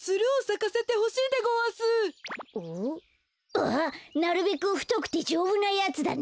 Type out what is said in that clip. ああなるべくふとくてじょうぶなやつだね。